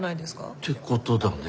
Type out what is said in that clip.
ってことだね。